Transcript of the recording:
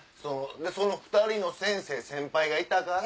その２人の先生先輩がいたから。